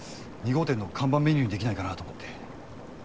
２号店の看板メニューにできないかなと思って。